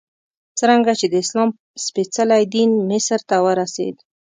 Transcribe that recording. څرنګه چې د اسلام سپېڅلی دین مصر ته ورسېد.